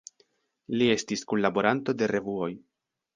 Li estis kunlaboranto de revuoj.